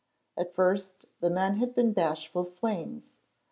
At first the men had been bashful swains.